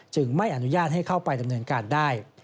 ไม่อนุญาตให้เข้าไปดำเนินการได้